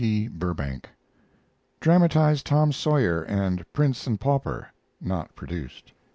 P. Burbank. Dramatized TOM SAWYER and PRINCE AND PAUPER (not produced).